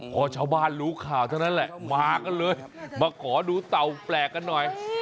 พอชาวบ้านรู้ข่าวเท่านั้นแหละมากันเลยมาขอดูเต่าแปลกกันหน่อย